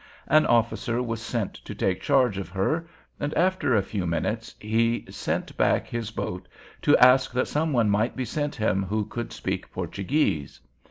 An officer was sent to take charge of her, and, after a few minutes, he sent back his boat to ask that some one might be sent him who could speak Portuguese.